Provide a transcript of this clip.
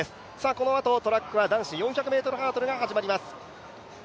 このあとトラックは男子４００ｍハードルが始まります。